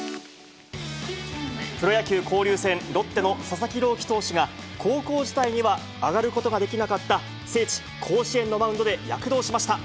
プロ野球・交流戦、ロッテの佐々木朗希投手が、高校時代には上がることができなかった聖地、甲子園のマウンドで躍動しました。